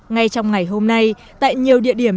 ngay trong ngày hôm nay tại nhiều địa điểm